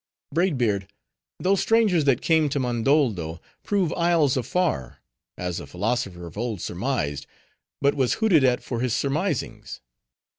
Braid Beard, those strangers, that came to Mondoldo prove isles afar, as a philosopher of old surmised, but was hooted at for his surmisings.